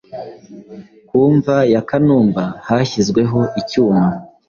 Ku mva ya Kanumba hashyizweho icyuma